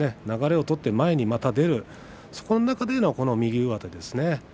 流れを取って、前に出るそこの中での右上手ですね。